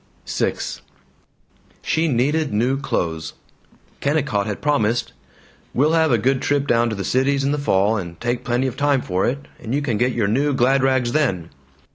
VI She needed new clothes. Kennicott had promised, "We'll have a good trip down to the Cities in the fall, and take plenty of time for it, and you can get your new glad rags then."